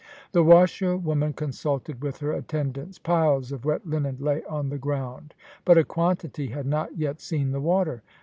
The washerwoman consulted with her attendants. Piles of wet linen lay on the ground, but a quantity had not yet seen the water.